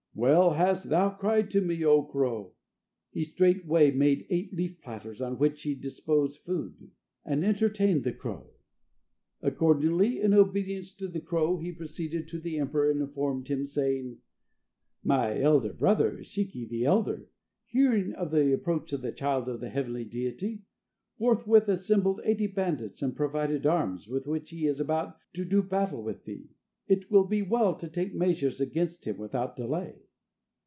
Well hast thou cried to me, O crow!" He straightway made eight leaf platters, on which he disposed food, and entertained the crow. Accordingly, in obedience to the crow, he proceeded to the emperor and informed him, saying: "My elder brother, Shiki the elder, hearing of the approach of the child of the heavenly deity, forthwith assembled eighty bandits and provided arms, with which he is about to do battle with thee. It will be well to take measures against him without delay."